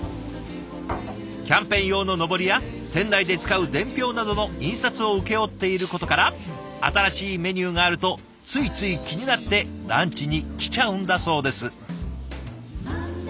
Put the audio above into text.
キャンペーン用ののぼりや店内で使う伝票などの印刷を請け負っていることから新しいメニューがあるとついつい気になってランチに来ちゃうんだそうです。